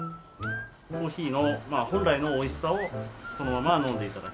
コーヒーの本来のおいしさをそのまま飲んで頂く。